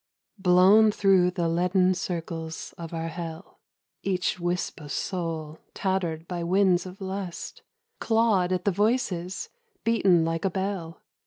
BLOWN through the leaden circles of our hell, Each wisp of soul, tattered by winds of lust, Clawed at the voices, beaten like a bell.